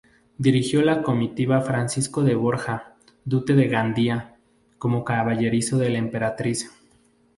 Dirigió la comitiva Francisco de Borja, duque de Gandía, como caballerizo de la emperatriz.